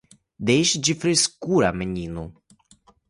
Deixa de frescura menino